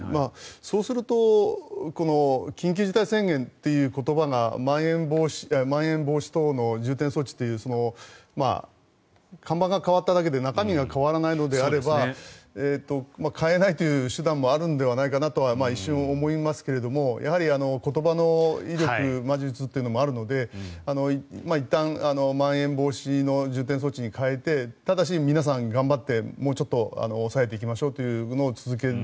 そうするとこの緊急事態宣言っていう言葉がまん延防止等重点措置という看板が変わっただけで中身が変わらないのであれば変えないという手段もあるのではないかなとは一瞬思いますがやはり言葉の威力、魔術というのもあるのでいったんまん延防止等重点措置に変えてただし皆さん、頑張ってもうちょっと抑えていきましょうというのを続ける。